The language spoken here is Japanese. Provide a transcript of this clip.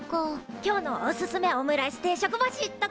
今日のおすすめオムライス定食星とかどうだ？